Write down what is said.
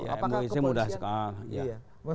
ya mui ini mudah sekali